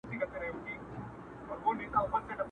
په وینا سو په کټ کټ سو په خندا سو٫